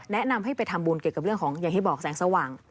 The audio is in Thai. แนะนำไปทำบุญเรื่องเกี่ยวกับแสงสว่าง